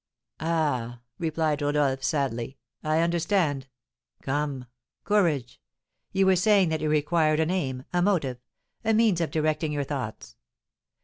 "Ah," replied Rodolph, sadly, "I understand! Come, courage! you were saying that you required an aim, a motive, a means of directing your thoughts.